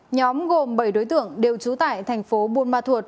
nhóm gồm bảy đối tượng đều trú tại thành phố buôn ma thuột